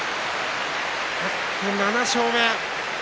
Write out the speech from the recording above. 勝って７勝目。